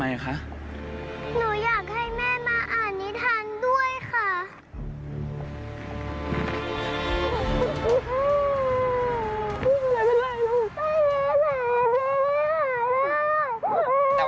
หนูอยากให้แม่มาอ่านนิทานด้วยค่ะ